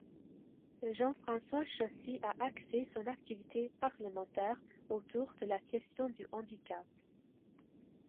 Jean-François Chossy a axé son activité parlementaire autour de la question du handicap.